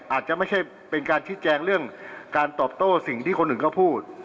อาจจะไม่ใช่เป็นการชี้แจงเรื่องการตอบโต้สิ่งที่คนอื่นเขาพูด